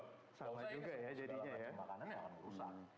sama sama makanan yang akan rusak